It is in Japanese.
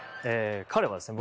彼はですね